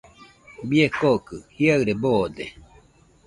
Baie kokɨ jiaɨre boode.